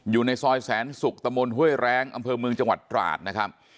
อยู่ในซอยแสนศุกร์ตะมนต์ห้วยแรงอำเภอเมืองจังหวัดตราดนะครับ